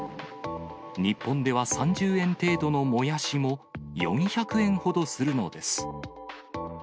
日本では３０円程度のもやしも、４００円ほどするのです。